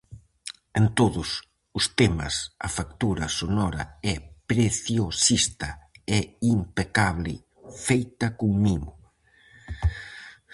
En todos os temas a factura sonora é preciosista e impecable, feita con mimo.